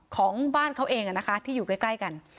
ของบ้านเขาเองที่อยู่ใกล้กัน